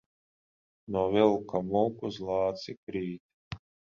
No vilka mūk, uz lāci krīt.